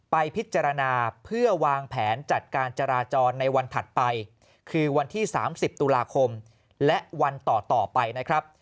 ไปพิจารณาเพื่อวางแผนจัดการจราจรในวันถัดไปคือวันที่๓๐ตุลาคมและวันต่อไปนะครับ